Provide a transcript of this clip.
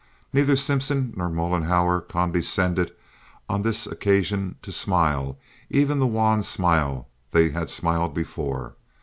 Neither Simpson nor Mollenhauer condescended on this occasion to smile even the wan smile they had smiled before.